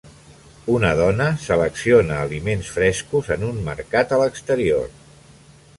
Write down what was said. Una dona selecciona aliments frescos en un mercat a l'exterior.